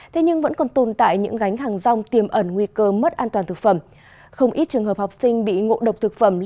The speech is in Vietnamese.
thế nhưng vẫn còn tồn tại những gánh hàng rong tiềm ẩn nguy cơ mất an toàn thực phẩm